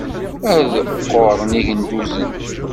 Ad ɣuren yigenduzen.